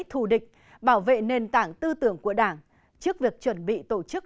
thù địch bảo vệ nền tảng tư tưởng của đảng trước việc chuẩn bị tổ chức